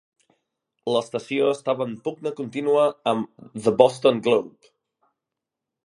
L'estació estava en pugna contínua amb "The Boston Globe".